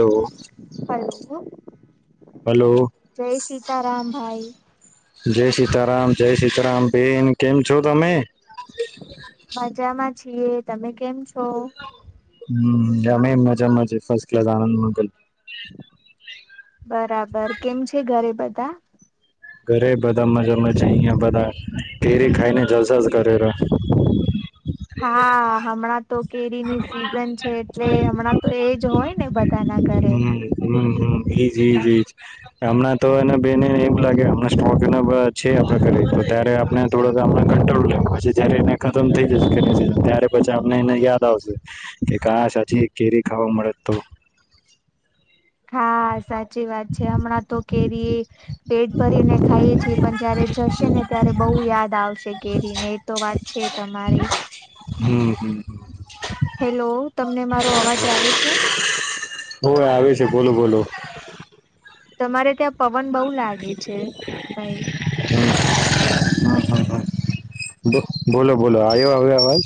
Hello hello hello જય સીતાારામભાઈ. જય સીતારામ જય સીતારામ બેન કેમ છો તમે. મજામાં છીએ તમે કેમ છો. હમ અમે મજામાંજ ફસ્ટ ક્લાસ આનંદ મંગલ. બરાબર કેમ છે ઘરે બધા. ઘરે બધા મજા મજા અહં બધા ઘેરી ખાઈને જસા કરે. હા હમણાં તો કેરીની સિઝન છે એટલે હમણાં તો એજ હોય નેજ [inaudible] જી જી હમણાં તો એને બેને એવું લાગે હમણા સ્ટોક છે આપ કરી ત્યારે આપ થોડોણા કો પછ જ ખતમ થઈ જશે કે ત્યારે પછી આપને એને યાદ આવશે કે કા સાચી કેરી ખાવા મળે તો હા સાચી વાત છે હમણાં તો કેરી એ પેટ ભરીને ખાઈએ છીએ પણ જયારે જશે ને ત્યારે બહુ યાદ આવશે કેરીને એ તો વાત છે તમારી. હમ હમ હેલો તમને મારો અવાજ આવે છે. હ આવે છે બોલ. બોલો અરે ત્યાં પવન બહુ લાગે છે ભાઈ હ હા હા બોલો બોલો આવ્યો આવ્યો આવાજ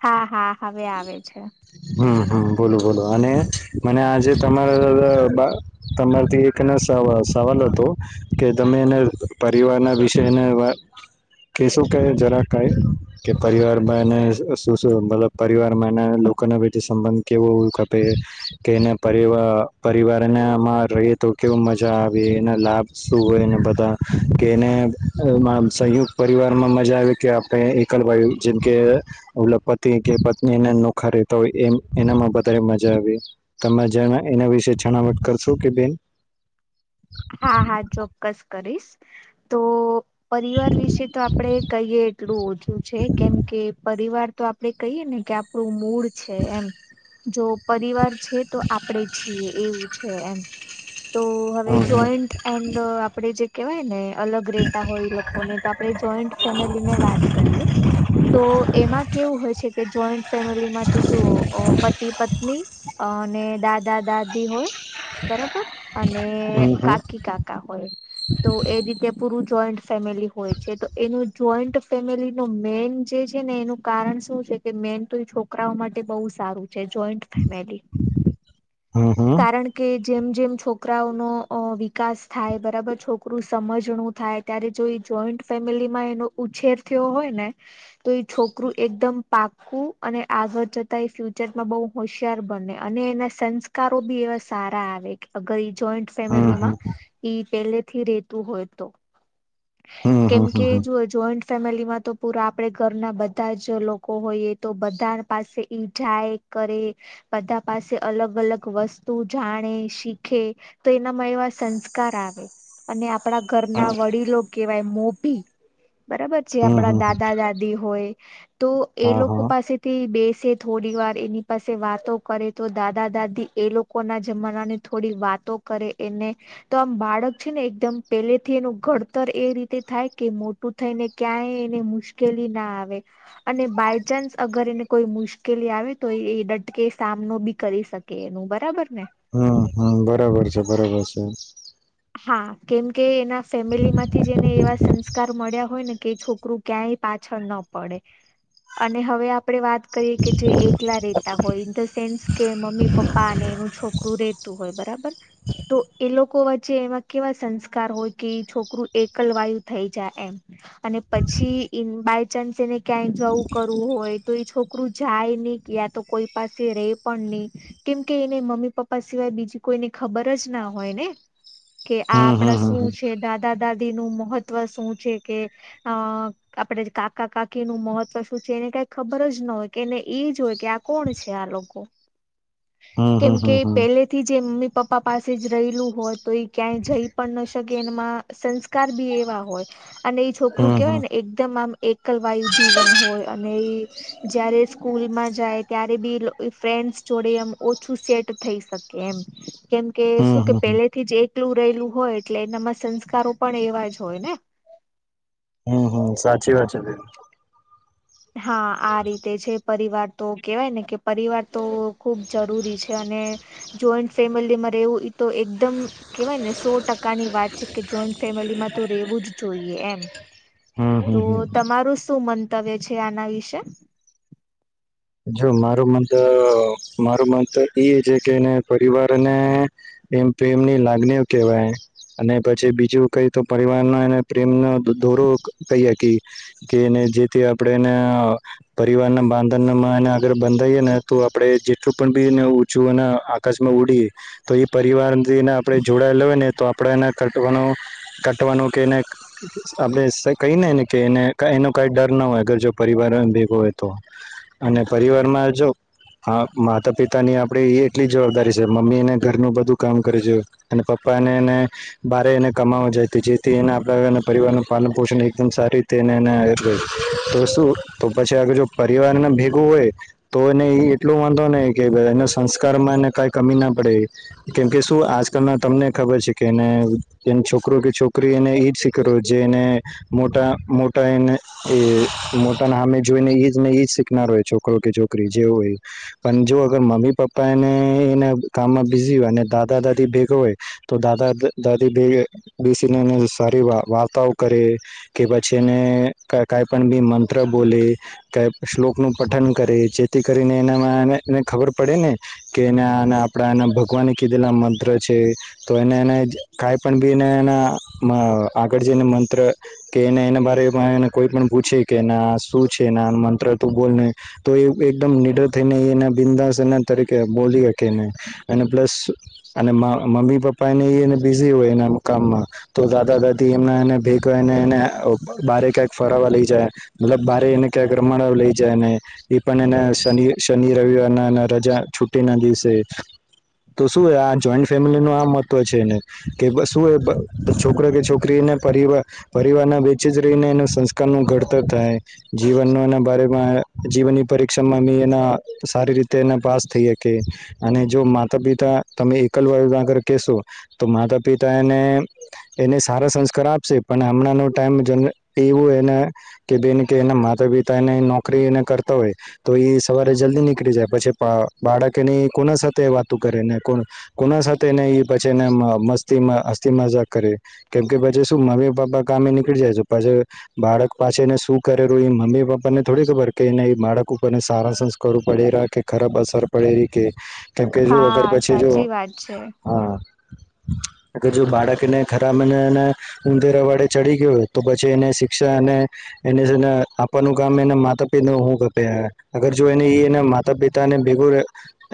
હા હા હવે આવે છે હમ હમ બોલોું બોલોું અને મને આજે તમારા તમારાથી એક ન સવાલ હતો કે તમે એને પરિવારના વિશેને વાત કે શું કહે જરા કઈ કે પરિવારમાં એને શું શું મતલબ પરિવારમાં એના લોકોના બ સંબંધ કેવો કપે કે એના પરવાર પરિવારનામાં રહીએ તો કેવ મજા આવે એના લાભ શું હોય એને બધા કે એને સંયુક્ત પરિવારમાં મજા આવે કે આપણે એકલવાય જેમ કે ઓલપતિ કે પત્ની એના નોખા રહેેતા હોય એનામાં વધારે મજા આવી તમે એના વિશે જણાવટ કરશો કે બેન હા હા ચોક્કસ કરી તો પરિવાર વિશે તો આપડે કહીએ એટલું ઓછું છે કેમ કે પરિવાર તો આપડે કહીયએ ને કે આપણું મૂડ એમ જો પરિવાર છે તો આપડે છીએ એવું છે એમ તો હવે હમ જોઈન્ટ એન્ડ આપે જે કેવાય ને અલગ રતા હોય લોકોને તો આપણે જોઈન્ટ ફેમિલી ને વાત કરીએ તો એમાં કેવું હોય છે કે જોઈન્ટ ફેમિલીમાં ત જુઓ પતિ પત્ની અને દાદા દાદી હોય બરાબર અને હમ હમ કાકી કાકા હોય તો એ રીતે પૂરું જોઈન્ટ ફેમિલી હોય છે તો એનું જોઈન્ટ ફેમિલી ન મેન જે છે ને એનું કારણ શું છે કે મેન તો એ છોકરાઓ માટે બહુ સારું છે જોઈન્ટ ફેમિલી હમ કારણ કે જેમ જેમ છોકરાઓનો વિકાસ થાય બરાબર છોકરું સમજણું થાય ત્યારે જો એ જોઈન્ટ ફેમિલીમાં એનો ઉછેર થયો હોય ને તો એ છોકરું એકદમ પાકું અને આગળ જતા એ ફ્યુચરમાં બહુ હોશિયાર બને અને એના સંકા કારો બી એવા સારા આવે કે અગર જોઈન્ટ હમ હમ હમ ફેમિલીમાં પેલેથી રેતું હોય તો હમ હમ કેમકે હમ જો જોઈન્ટ ફેમિલીમાં તો પૂરા આપડે ઘરના બધા જ લોકો હોઈએ તો બધા પાસે ઈજાય કરે બધા પાસે અલગ અલગ વસ્તુ જાણે શીખે તો એનામાં એવા સંસ્કાર આવે અને પડા ધરના વડીલો કેવાય મોભી બરાબર છે હમ હમ આપડા હમ દાદા દાદી હોય તો એ હા લોકો હા પાસે થી બેસે થોડી વાર એની પાસે વાતો કરે તો દાદા દાદી એ લોકો ના જમાના ની થોડી વાતો કરે એને તો આમ બાળક છે ને એકદમ પહેલેથી એનું ઘડતર એ રીતે થાય કે મોટું થઈને ક્યાંય એને મુશ્કેલી ના આવે અને બાયચાન્સ અગર એને કોઈ મુશ્કેલી આવે તો એ ડટકે સામનો બી કરી શકે એનું બરાબર ને હા બરાબર છે બરાબર છે હા કેમકે એના ફેમિલી માંથી જેને એવા સંસ્કાર મળ્યા હોય ને કે છોકરું ક્યાંય પાછળ ન પડે અને હવે આપણે વાત કરીએ કે જે એકલા રેતા હોય ઇન ધ સેન્સ કે મમ્મી પપ્પા અને એનું છોકરું રેતું હોય બરાબર તો એ લોકો પ એમાં કેવા સંસ્કાર હોય કે છોકરું એકલવાયુ થઈ જાય એમ અને પછી બાયચાન્સ એને ક્યાંય જવું કરવું હોય તો એ છોકરું જાય નહી યા તો કોઈ પાસે રે પણ નહી કેમકે એને મમ્મી પપ્પા સિવાય બીજી કોઈને ખબર જ ના હોય ને કે આ હમ હમ આપણા હમ શું છે દાદા દાદી નું મહત્વ શું છે કે અ આપણે કાકા કાકીનું મહત્વ શું છે એને કઈ ખબર જ ના હોય કે એને એજ હોય કે આ કોણ છે આ લોકો કેમ હમ કે હમ હમ પેલેથી જે મમ્મી પ પપ્પા પાસે જ રહેલું હોત તો એ ક્યાંય જઈ પણ ન ગેનમાં સંસ્કાર બી એવા હોય અને એ છોકરું હમ હમ હમ કેવાય ને એકદમ આમ કલવાયુ જીવન હોય. અને જયારે સ્કૂલમાં જાય ત્યારે બી ફ્રેન્ડસ જોડે એમ ઓછું સેટ થઈ શકે એમ કેમ કે શું હમ કે હમ હમ પેલે એકલું રહેલું હોય એટલે એનામાં સંસ્કારો પણ એવા જ હોય ને? હમ હમ સાચી વાત છે, બેન હા આ રીતે છે. પરિવાર તો કેવાય ને કે પરિવાર તો ખુબ જરૂરી છે, અને જોઈન્ટ ફેમિલીમાં રહેેવું તો એકદમ કેવાયને સો ટકાની વાત છે, કે જોઈન્ટ ફેમિલીમાં તો રેવું જ જોઈએ એમ હમ હમ તો હમ તમારું શું મન તવે છે. આના વિશે જો મારુ મનતો મારુ મનતો એ છે, કે એને પરિવારને એમ પ્રેમની લાગણીઓ કેહેવાય અને પછી બીજું કઈ તો પરિવાર ના એને પ્રેમનો દોરો કહીએ કી કે એને જેથી આપણે એને પરિવારના બાંધન આગ બંધાઈએ ને તો આપણે જેટલું પણ બીને ઊંચું અને આકાશમાં ઉડીએ તો એ પરિવારથીને આપણે જોડાયેલા હોય ને તો આપણે એને કટવાનો કાટવાનો કે એને આપણે કઈને ને કે એને કય એનો કઈ ડર ના હોય અગર જો પરિવાર ભેગો હોય તો અને પરિવાર માં જો હ માતા પિતાની આપણે એ એટલી જવાબદારી છે, મમ્મીને ઘરનું બધું કામ કરે જો અને પપ્પા ને એને બારે એને કમાવવા જાયતી જેથી એને આપ પરિવારનું પાલન પોષણ એકદમ સારી રીતે [unintelligible] તો શું તો પછી આગળ જો પરિવારને ભે હોય તો એને એ એટલો વાંધો નય કે એના સંસ્કારમાં એને કઈ કમી ના પડે કેમ કે શું આજકાલ ના તમને ખબર છે, કે એને છોકરો કે છોકરી એને ઈજ શીખરો જેને મોટા મોટા એને એ મોટાના હામે જોઈ ને એ જ ને એજ શીખનાર હોય છોકરો કે છોકરી જે હોય. પણ જો અગર મમી પપ્પા એને એને કામમાં બીઝી હોયને દાદા દાદી ભેગા હોય તો દાદા દાદી ભે બેસીને એ સારી વા વાર્તાઓ કરે કે પછી એને કા કાઈ પણ બી મંત્ર બોલે [unintelligible] શ્લોકનું પઠન કરે જેથી કરીને એનામાં એને ખબર પડે ને કે એના એના આપાણ [unintelligible] ભગવાને કીદેલા મન ત્ર છે, તો એને એને કાઈ પણ બીને એને મ આગળ જે ને મંત્ર કેને એને [unintelligible] તે પણ એને કોઈ પણ પૂછે. -' કેના શું છે? એના મંત્ર. તુ બોલને. તો એ એકદમ નિડર થઈને એને બિંદાસ એમના તરીકે બોલી અક કે નહી અને પ્લસ અને મમ્મી પપ્પા એને એઈને બીઝી હોય એના કામ તો દાદા દાદી એમના એને ભેગાને એને બારે કંઈક ફરવા લઇ જાય. મતલબ બારે એને ક્યાં રમાડ લઇ જાય ને એ પણ એના શનિ શનિ રવિવારના રજા છુ્ટી ના દિવસે તો શું આ જોઈન્ટ ફેમિલી ન આ મહત્વ છે એને કે શું છોકરો કે છોકરીને પરર પરિવારના વેચે જ રહીને એનું સંસ્કાર ન ઘડતર થાય. જીવનનો એના બારેમાં જીવનની પરીક્ષામાં એના સારી રીતે તેના પાસ થઈ શકે. અને જો માતા પિતા તમે એકલવાયુ આગળ કહેશો તો માતા પિતા એને એને સારા સંસ્કાર આપશે પણ હમણાંનો ટાઈમ જ એવો એના કે બેન કે એના માતા પિતાને નોકરીને કરતા હોય તો એ સવારે જલ્દી નીકળી જાય પછી બાળકની કોના સાથે વાત કરે ને કોના સાથે એને પછીને મસ્તી માં અ મજા કરે કેમ કે પછી શું મમ્મી પપ્પા કામે નીકળી જાય છે પછ બાળક પાછને શું કરેું એ મમ્મી પપ્પા ત થોડી ખબર કે ન એ બાળક ઉપરને સારા સંસ્કારો પડેલા કે ખરાબ અસર પડે રહી કે. કેમકે જો અગર હા પછી જો સાચી વાત છે હા જો બાળક એને ખરા મને એ ઉધેરા વાડે ચડી ગયો હોય તો પછી એને શિક્ષા એનેને આપવાનું કામ એને માતા. હું કપે અગર જો એને એના માતા પિતાને ભેગો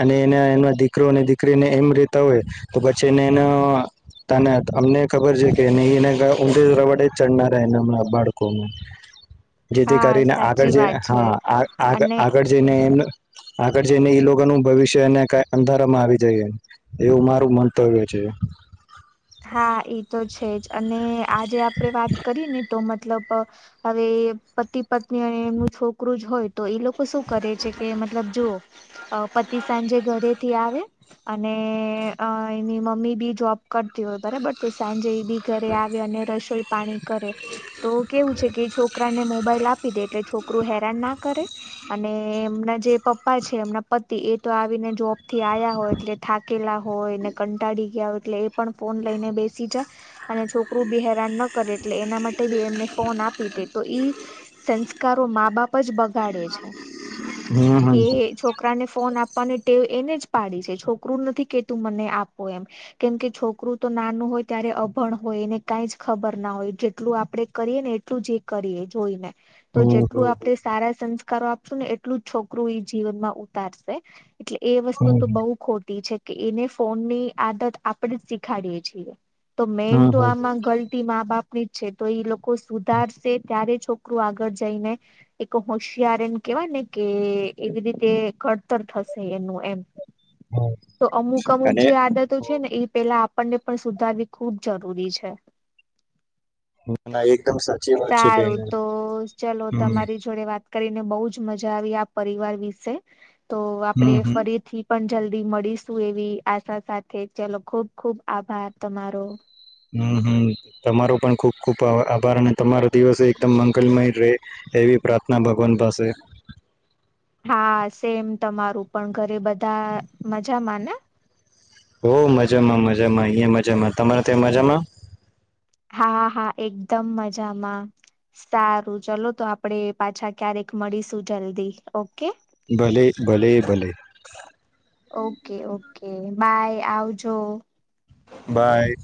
અને એના એ દીકરો અને દીકરીને એમ રેતા હોય તો પછી એને એ અમને ખબર છે કે ઊંધે રવાડે ચડના રહે બાળકો જેથી હા કરીને આગળ સાચી જે વાત છે હા આ આગ અને આગળ જઈને એમ આગળ જઈને ઈ લોકોનું ભવિષ્ય એને કઈ અંધારામાં આવી જઈ એવું મારું મંતવ્ય છે. હા એ તો છે જ. અને આજે આપણેે વાત કરી ને તો મતલબ હવે પતિ પત્ની અને એમનું છોકરું જ હોય તો એ લોકો શું કરે છે કે મતલબ જુઓ પતિ સાંજે ઘરેથી આવે અને એની મમ્મી બી જોબ કરે બરાબર તો સાંજે બી ઘરે આવે અને રસોઈ પાણી. કરે તો કેવું છે કે છોકરાને મોબાઈલ આપ દે એટલે છોકરું હેરાન ના કરે અને એમના જે પપ્પા છે એમના પતિ એ તો આવીને જોબ થી આ્યા હોય એટલે થાકેલા. હોય એને કંટાળી ગયા હોય એટલે એ પણ ફોન લઈને બેસી જાય અને છોકરું બી હેરાન ન કરે એટલે એના માટે બી એમને ફોન આપી દે તો ઈ સંસ્કારો મા બાપ જ બગાડ ાે છે હમ કે હમ છોકરાને ફોન આપ ટેવ એને જ પાડી છે છોકરું નથી કે તું મને આપો એમ કેમ કે છોકરું તો નાનું હોય ત્યારે અભણ હોય એને કઈ જ ખબર ના હોય જેટલું આપડે કરીએ ને એટલું જ એ કરીએ જોઈ ને. તો હમ જેટલું આપડે સારા સંસ્કારો આપ. ું ને એટલું જ છોકરું એ જીવન માં ઉતારશે. એટલે એ વસ્તુ હમ તો બઉુ ખોટી છે. કે એને ફોન ની આદત આપ. પણ શીખડીએ છીએ. તો મેન હમ તો આમાં ગલતી મા બાપ. છે તો એ લોકો. સુધાર ત્યારે છ. છોકરું આગળ જઈને એક હોશિયાર એને કેવાય ને કે એવી રીતે ઘડતર થશે એનું એમ. હમ તો અમુક અમુક અને જે આદતો છે ને એ. એ આપણને પણ સુધારવી ખુબ જરૂરી છે. ના ના એક. સારું તો ચલો હમ તમારી જોડે વાત કરીને બહુ જ મજા આવી આ પરિવાર વિશે તો હમ આપડે ફરીથી પણ જલ્દી મળીશું એવી આશા સાથે ચલો ખુબ ખુબ આભાર તમારો હમ હમ તમારો પણ ખૂબ ખૂબ આભાર અને તમારો દિવસ એકદમ મંગલમય રહે એવી પ્રાર્થના ભગવાન પાસે હા સેમ તમારું પણ ઘરે બધા મજામાં ને હો મજામાં મજામાં અઈ મજામાં તમારે તો મજામાં હા હા એકદમ મજામાં સારું ચલો તો આપડે પાછા ક્યારેક મળીશું જલ્દી ઓકે ભલે ભલે ભલે ઓકે ઓકે બાય આવજો બાય